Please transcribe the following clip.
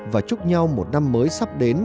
và chúc nhau một năm mới sắp đến